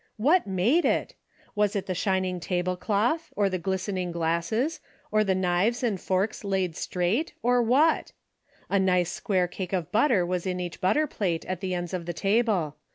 What made it ? AYas it the shining table cloth, or the glistening glasses, or the knives and forks laid straight, or what? A nice square cake of butter was in each butter plate at the ends of the table.